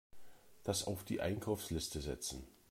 Das auf die Einkaufsliste setzen.